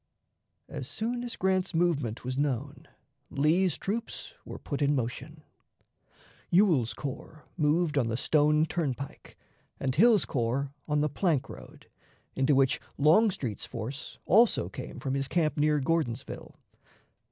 As soon as Grant's movement was known, Lee's troops were put in motion. Swell's corps moved on the Stone Turnpike, and Hill's corps on the plank road, into which Longstreet's force also came from his camp near Gordonsville.